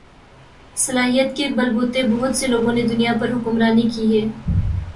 صلاحیت کے بل بوتے بہت سے لوگوں نے دنیا پر حکمرانی کی ہے